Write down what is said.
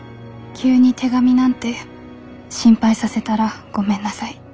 「急に手紙なんて心配させたらごめんなさい。